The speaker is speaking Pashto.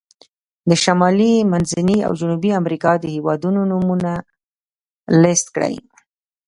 د شمالي، منځني او جنوبي امریکا د هېوادونو نومونه لیست کړئ.